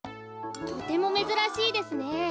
とてもめずらしいですね。